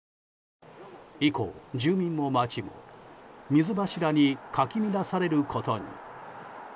以降、住民も街も水柱にかき乱されることに。